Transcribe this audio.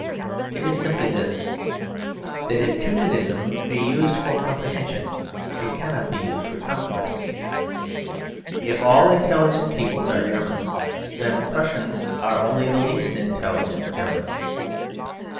It is simply this; that if Teutonism be used for comprehension it cannot be used for conquest. If all intelligent peoples are Germans, then Prussians are only the least intelligent Germans.